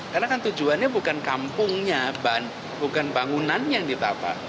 karena kan tujuannya bukan kampungnya bukan bangunan yang ditata